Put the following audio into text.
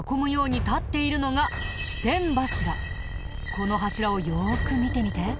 この柱をよーく見てみて。